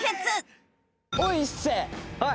おい！